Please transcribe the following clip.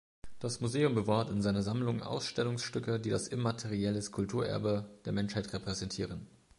Das Museum bewahrt in seiner Sammlung Ausstellungsstücke, die das Immaterielles Kulturerbe der Menschheit repräsentieren.